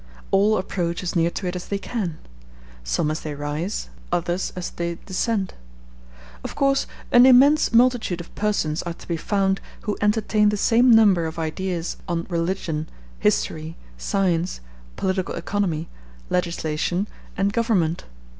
All approach as near to it as they can; some as they rise, others as they descend. Of course, an immense multitude of persons are to be found who entertain the same number of ideas on religion, history, science, political economy, legislation, and government.